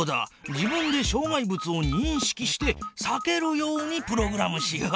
自分でしょう害物をにんしきしてさけるようにプログラムしよう。